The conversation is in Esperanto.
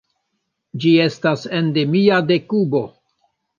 Ĝi estas endemia de Kubo.